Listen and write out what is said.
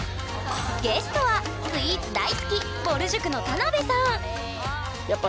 ゲストはスイーツ大好きぼる塾の田辺さん